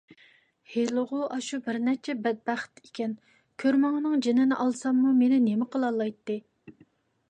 ھېلىغۇ ئاشۇ بىرنەچچە بەتبەخت ئىكەن، كۈرمىڭىنىڭ جېنىنى ئالساممۇ مېنى نېمە قىلالايتتى؟